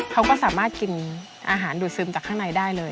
เขาก็สามารถกินอาหารดูดซึมจากข้างในได้เลย